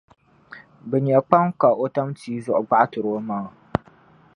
bɛ nya kpaŋ ka o tam tii zuɣu gbaɣitir’ omaŋa.